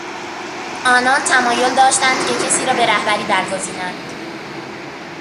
آنان تمایل داشتند که کسی را به رهبری برگزینند.